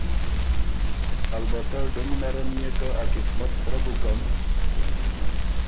البتۀ ډُمی نرن يې که ا قسمت سرۀ بُکن